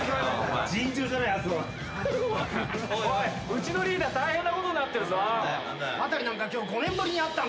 うちのリーダー大変なことになってるぞ。